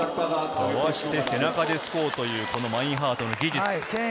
かわして背中で突こうというマインハートの技術。